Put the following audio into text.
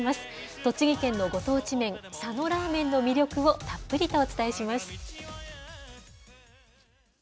栃木県のご当地麺、佐野らーめんの魅力をたっぷりとお伝えします。